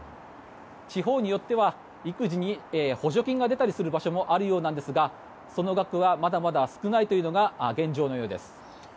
地方によっては育児に補助金が出たりする場所もあるようですがその額はまだまだ少ないというのが現状のようです。